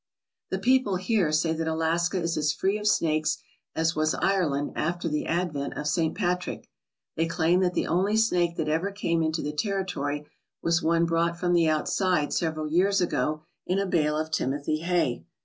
The people here say that Alaska is as free of snakes as was Ireland after the advent of St. Patrick. They claim that the only snake that ever came into the territory was one brought from the outside several years ago in a bale of timothy hay.